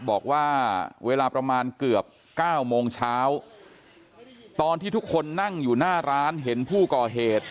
บอกว่าเวลาประมาณเกือบ๙โมงเช้าตอนที่ทุกคนนั่งอยู่หน้าร้านเห็นผู้ก่อเหตุ